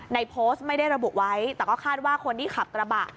ในโพสต์ไม่ได้ระบุไว้แต่ก็คาดว่าคนที่ขับกระบะ